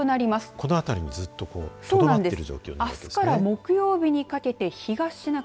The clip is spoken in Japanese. この辺りにずっととどまっている状況ですね。